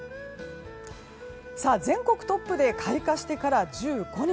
全国トップで開花してから１５日。